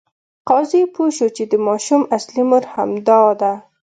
قاضي پوه شو چې د ماشوم اصلي مور همدا ده.